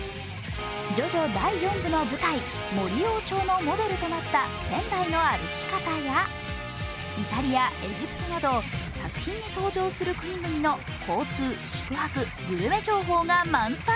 ジョジョ第４部のモデルとなった仙台の歩き方やイタリア、エジプトなど作品に登場する国々の交通、宿泊、グルメ情報が満載。